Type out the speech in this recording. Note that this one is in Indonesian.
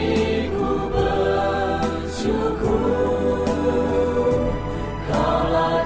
suatu sahabat yang merindukan